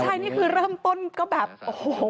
ใช่นี่คือเริ่มต้นก็แบบโอ้โห